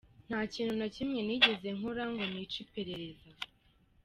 Nta kintu na kimwe nigeze nkora ngo nice iperereza.